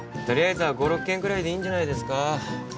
とりあえずは５６軒ぐらいでいいんじゃないですか？